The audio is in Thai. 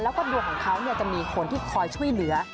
แล้วก็ดวงของเขาจะมีคนที่คอยช่วยเหลือ